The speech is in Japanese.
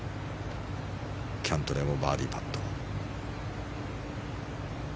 キャントレーもバーディーパット。